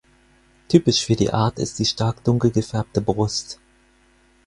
Typisch für die Art ist die stark dunkel gefärbte Brust.